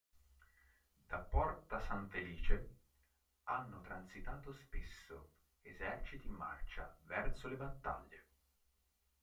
Da porta San Felice hanno transitato spesso eserciti in marcia verso le battaglie.